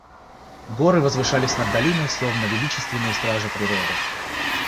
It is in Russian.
Горы возвышались над долиной, словно величественные стражи природы.